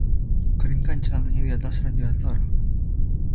Keringkan celananya di atas radiator.